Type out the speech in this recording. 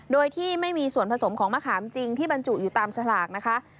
โดยที่ไม่มีส่วนผสมของมะขามจริงที่บรรจุอยู่ตามสลากนะคะ